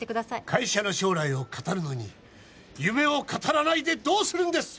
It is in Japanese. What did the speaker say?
会社の将来を語るのに夢を語らないでどうするんです！？